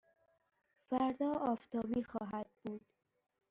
فردا آفتابی خواهد بود.